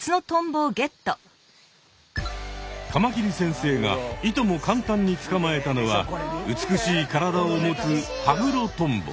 カマキリ先生がいとも簡単につかまえたのは美しい体を持つハグロトンボ。